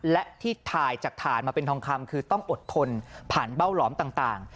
และที่ถ่ายจากฐานมาเป็นทองคำคือต้องอดทนผ่านเบ้าหลอมต่าง